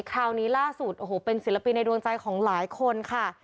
คราวนี้ล่าสุดโอ้โหเป็นศิลปินในดวงใจของหลายคนค่ะ